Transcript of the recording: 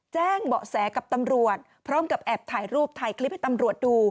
แจ้งเบาะแสกับตำรวจพร้อมกับแอบถ่ายรูปถ่ายคลิปให้ตำรวจดู